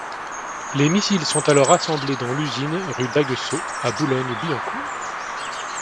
Les missiles sont alors assemblés dans l'usine rue d'Aguesseau à Boulogne-Billancourt.